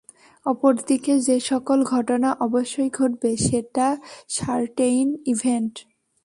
অপরদিকে যেসকল ঘটনা অবশ্যই ঘটবে সেটা সার্টেইন ইভেন্ট।